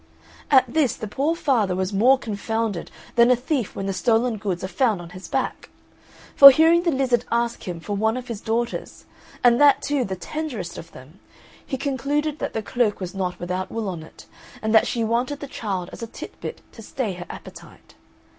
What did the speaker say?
At this the poor father was more confounded than a thief when the stolen goods are found on his back. For, hearing the lizard ask him for one of his daughters, and that too, the tenderest of them, he concluded that the cloak was not without wool on it, and that she wanted the child as a titbit to stay her appetite.